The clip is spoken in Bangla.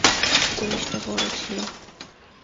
জিনিসটা বড় ছিল।